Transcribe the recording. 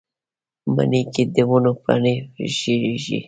مني کې د ونو پاڼې ژیړیږي